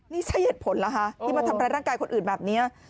นี่ใช่เหตุผลเหรอคะที่มาทำร้ายร่างกายคนอื่นแบบนี้